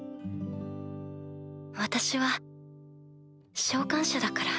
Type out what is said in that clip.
私は召喚者だから。